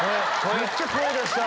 めっちゃ声出した。